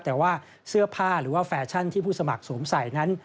แต่ว่าเสื้อผ้าหรือว่าแฟชั่นที่ผู้สมัครสวมใส่นั้น